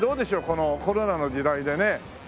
このコロナの時代でね。